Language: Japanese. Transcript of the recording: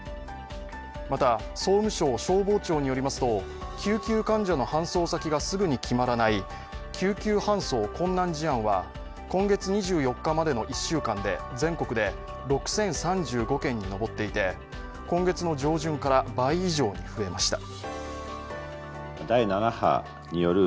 また総務省消防庁によりますと、救急患者の搬送先がすぐに見つからない救急搬送困難事案は今月２４日までの１週間で全国で６０３５件に上っていて、今月の上旬から倍以上に増えました。